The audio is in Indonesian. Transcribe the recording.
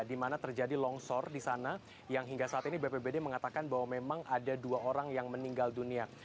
di mana terjadi longsor di sana yang hingga saat ini bpbd mengatakan bahwa memang ada dua orang yang meninggal dunia